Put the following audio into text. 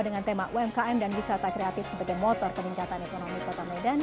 dengan tema umkm dan wisata kreatif sebagai motor peningkatan ekonomi kota medan